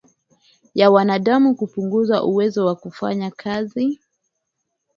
ya wanadamu kupunguza uwezo wa kufanya kazi